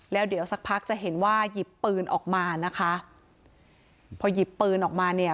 แล้วเดี๋ยวสักพักจะเห็นว่าหยิบปืนออกมานะคะพอหยิบปืนออกมาเนี่ย